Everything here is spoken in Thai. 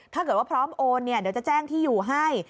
ถ้าเกิดว่าพร้อมโอนเนี่ยเดี๋ยวจะแจ้งที่อยู่ให้